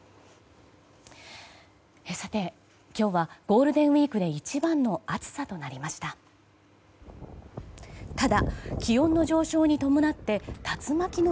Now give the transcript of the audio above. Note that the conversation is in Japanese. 今日はゴールデンウィークで一番の暑さとなりました。